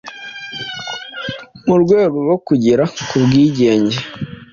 mu rwego rwo kugera ku bwigenge,